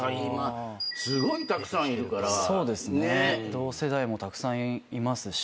同世代もたくさんいますし。